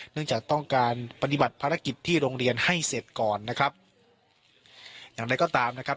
จากต้องการปฏิบัติภารกิจที่โรงเรียนให้เสร็จก่อนนะครับอย่างไรก็ตามนะครับ